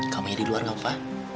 kamu jadi luar nggak pa